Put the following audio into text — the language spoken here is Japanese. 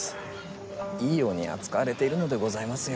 いいように扱われているのでございますよ。